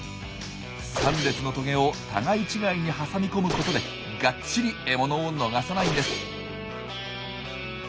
３列のトゲを互い違いに挟み込むことでがっちり獲物を逃さないんです。